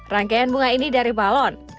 rangkaian bunga ini dari balon